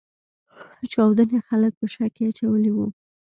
چاودنې خلګ په شک کې اچولي وو.